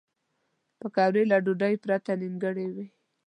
پکورې له ډوډۍ پرته نیمګړې وي